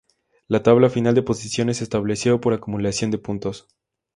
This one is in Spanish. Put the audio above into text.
La tabla final de posiciones se estableció por acumulación de puntos.